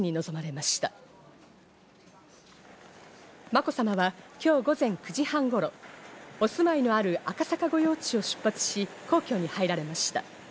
まこさまは今日午前９時半頃、お住まいのある赤坂御用地を出発し、皇居に入られました。